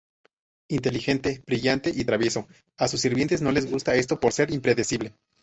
Inteligente, brillante y travieso, a sus sirvientes no le gusta esto por ser impredecible.